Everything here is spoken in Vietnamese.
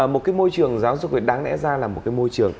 một cái môi trường giáo dục đáng lẽ ra là một cái môi trường